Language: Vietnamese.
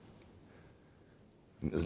giảm dần lại